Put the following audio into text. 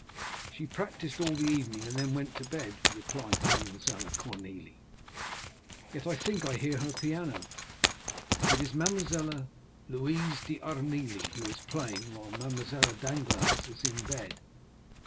"She practiced all the evening, and then went to bed," replied Mademoiselle Cornélie. "Yet I think I hear her piano." "It is Mademoiselle Louise d'Armilly, who is playing while Mademoiselle Danglars is in bed."